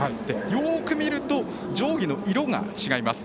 よく見ると上下の色が違います。